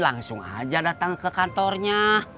langsung aja datang ke kantornya